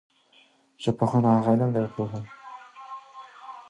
ژبپوهنه هغه علم او پوهه ده